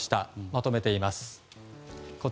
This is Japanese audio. まとめています。